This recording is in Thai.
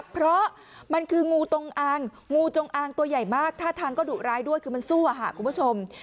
เพราะมันคืองูจงอางงูจงอางตัวใหญ่มากท่าทางก็ดุร้ายด้วยคือมันสู้อะค่ะคุณผู้ชม